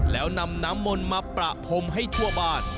แล้วนำน้ำมนต์มาประพรมให้ทั่วบ้าน